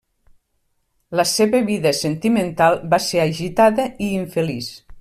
La seva vida sentimental va ser agitada i infeliç.